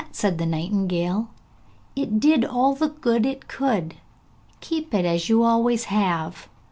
said the nightingale, 'it did all the good it could! keep it as you have always done!